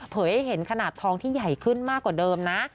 ให้เห็นขนาดทองที่ใหญ่ขึ้นมากกว่าเดิมนะ